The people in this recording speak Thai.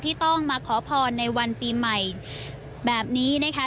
ที่ต้องมาขอพรในวันปีใหม่แบบนี้นะคะ